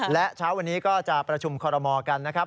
และเช้าวันนี้ก็จะประชุมคอรมอกันนะครับ